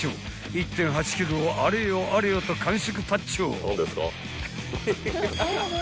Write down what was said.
［１．８ｋｇをあれよあれよと完食パッチョ］